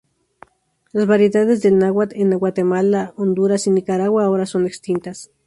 Las variedades del náhuat en Guatemala, Honduras, y Nicaragua ahora están extintas.